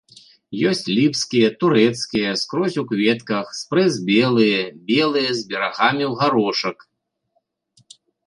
Ёсць ліпскія, турэцкія, скрозь у кветках, спрэс белыя, белыя з берагамі ў гарошак.